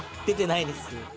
出てないです。